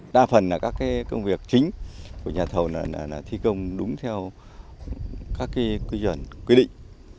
đa phần là các công việc chính của nhà thầu thi công đúng theo các quy chuẩn quy định